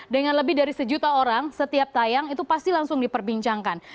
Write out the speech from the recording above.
dengan lebih dari sejuta orang setiap tayang itu pasti langsung diperbincangkan